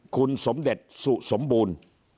คุณสมเด็จสุสมบูรณ์